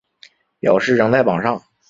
表示仍在榜上